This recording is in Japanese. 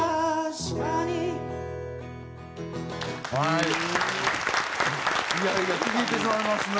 いやいや聴き入ってしまいますね。